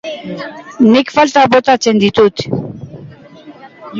Nik faltan botatzen ditut.